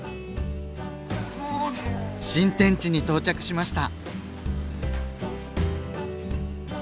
新天地に到着しました！